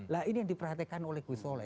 lah ini yang diperhatikan oleh ghosnola